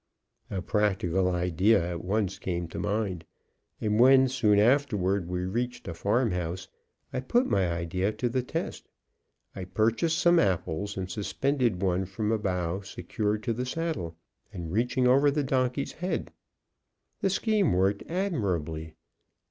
A practical idea at once came to mind, and when, soon afterward, we reached a farm house, I put my idea to the test. I purchased some apples, and suspended one from a bough secured to the saddle and reaching over the donkey's head. The scheme worked admirably.